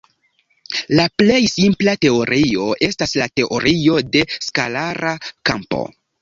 La plej simpla teorio estas la teorio de skalara kampo.